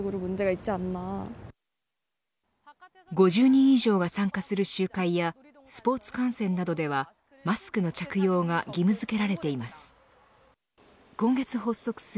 ５０人以上が参加する集会やスポーツ観戦などではマスクの着用が義務付けられています。